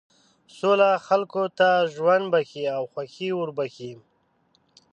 سوله خلکو ته ژوند بښي او خوښي وربښي.